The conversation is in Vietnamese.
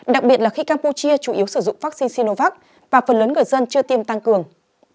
đặc biệt là khi campuchia chủ yếu sử dụng vaccine sinovac và phần lớn người dân chưa tiêm tăng cường